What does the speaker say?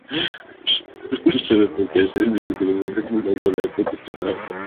আশা করি, আনুষ্ঠানিক প্রক্রিয়া শেষে দু-এক দিনের মধ্যে পূর্ণাঙ্গ রায় প্রকাশিত হবে।